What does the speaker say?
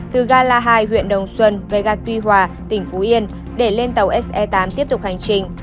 từ ga la hai huyện đồng xuân về ga tuy hòa tỉnh phú yên để lên tàu se tám tiếp tục hành trình